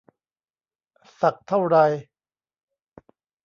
สักเท่าไร